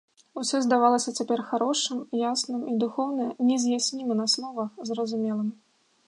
Усё здавалася цяпер харошым, ясным і духоўна, нез'ясніма на словах, зразумелым.